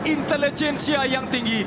intelijensia yang tinggi